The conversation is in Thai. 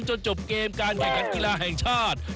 จบเกมการแข่งขันกีฬาแห่งชาติ